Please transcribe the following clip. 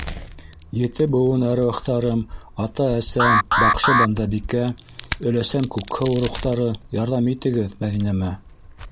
Ете быуын әруахтарым, ата- әсәм, баҡшы Бәндәбикә, өләсәм Күкһыу рухтары, ярҙам итегеҙ Мәҙинәмә.